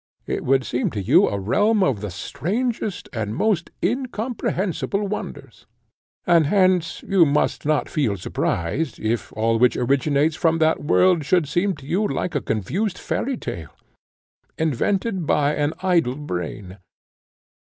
it would seem to you a realm of the strangest and most incomprehensible wonders, and hence you must not feel surprised, if all which originates from that world should seem to you like a confused fairy tale, invented by an idle brain.